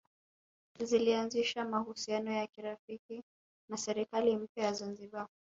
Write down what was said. Zilianzisha mahusiano ya kirafiki na serikali mpya ya Zanzibar